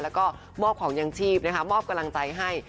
แล้วก็มอบของยังชีพนะคะมอบกำลังใจให้